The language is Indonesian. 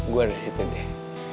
gue ada di situ deh